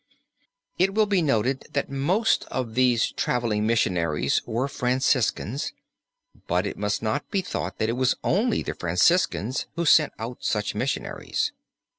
It will be noted that most of these traveling missionaries were Franciscans but it must not be thought that it was only the Franciscans who sent out such missionaries.